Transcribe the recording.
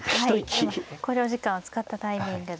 考慮時間を使ったタイミングですからね。